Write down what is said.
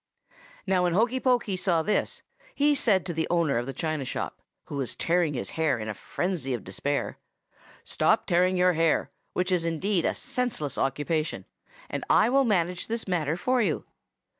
"Now when Hokey Pokey saw this, he said to the owner of the china shop, who was tearing his hair in a frenzy of despair, 'Stop tearing your hair, which is indeed a senseless occupation, and I will manage this matter for you.